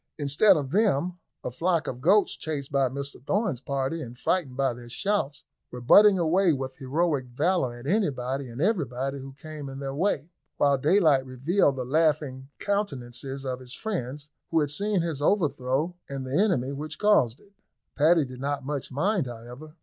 Instead of them, a flock of goats, chased by Mr Thorn's party, and frightened by their shouts, were butting away with heroic valour at anybody and everybody who came in their way, while daylight revealed the laughing countenances of his friends, who had seen his overthrow and the enemy which caused it. Paddy did not much mind, however.